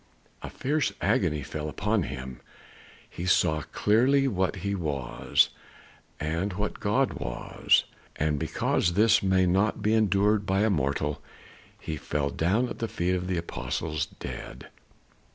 A fierce agony fell upon him. He saw clearly what he was, and what God was; and because this may not be endured by a mortal, he fell down at the feet of the apostle dead.